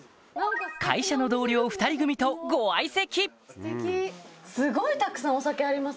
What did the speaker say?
会社の同僚２人組とご相席！